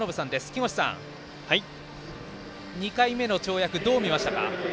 木越さん、２回目の跳躍どう見ましたか。